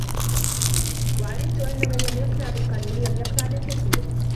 وَعَلِمَتْ أَنَّ مَنْ لَمْ يَقْنَعْ بِالْقَلِيلِ لَمْ يَقْنَعْ بِالْكَثِيرِ